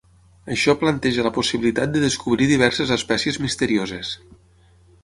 Això planteja la possibilitat de descobrir diverses espècies misterioses.